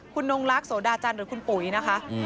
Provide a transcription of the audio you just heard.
พี่จะแฟนแก่วาจันทร์หรือคุณปุ๋ยนะครับ